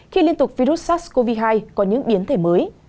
khi liên tục virus sars cov hai có những biến thể mới